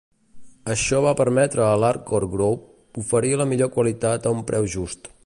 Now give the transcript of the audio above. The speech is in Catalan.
Això va permetre a l'Arcor Group oferir la millor qualitat a un preu just.